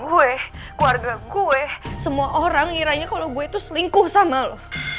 gue keluarga gue semua orang ngirainya kalo gue tuh selingkuh sama lo